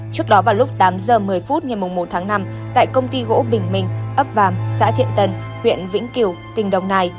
trước đó vào lúc tám giờ một mươi phút ngày một tháng năm tại công ty gỗ bình minh ấp vàm xã thiện tân huyện vĩnh kiều tỉnh đồng nai